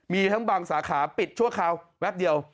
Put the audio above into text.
มีทั้งบางสาขาปิดชั่วคราวแป๊บเดียว